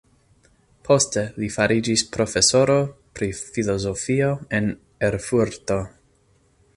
Poste li fariĝis profesoro pri filozofio en Erfurto.